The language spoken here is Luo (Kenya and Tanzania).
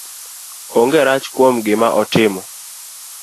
Onge rach kuom gima otimo